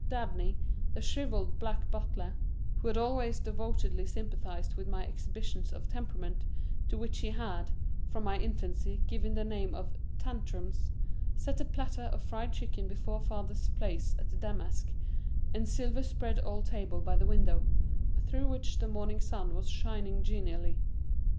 Dabney, the shriveled black butler, who had always devotedly sympathized with my exhibitions of temperament, to which he had, from my infancy, given the name of "tantrums," set the platter of fried chicken before father's place at the damask and silver spread old table by the window, through which the morning sun was shining genially.